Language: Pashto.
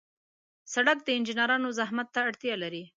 سړک د انجنیرانو زحمت ته اړتیا لري.